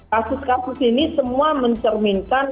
kasus kasus ini semua mencerminkan